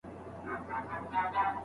سم نیت جنجال نه زیاتوي.